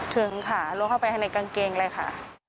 ถึงค่ะล้วงเข้าไปให้ในกางเกงเลยค่ะ